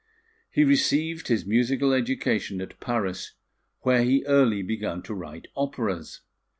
He received his musical education at Paris, where he early began to write operas.